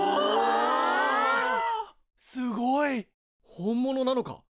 本物なのか？